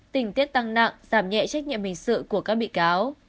tình tiết tăng nặng giảm nhẹ trách nhiệm hình sự của các bị cáo